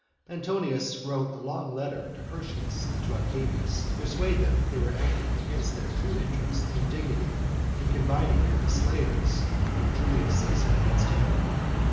Antonius wrote a long letter to Hirtius and to Octavius, to persuade them that they were acting against their true interests and dignity in combining with the slayers of Julius Caesar against him.